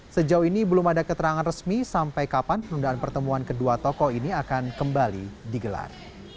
sejauh ini belum ada keterangan resmi sampai kapan penundaan pertemuan kedua tokoh ini akan kembali digelar